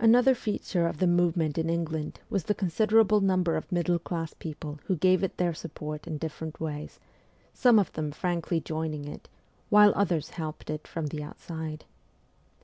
Another feature of the movement in England was the considerable number of middle class people who gave it their support in different ways, some of them frankly joining it, while others helped it from the out side.